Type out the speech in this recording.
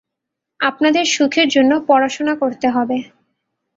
আপনাদের সুখের জন্য পড়াশোনা করতে হবে।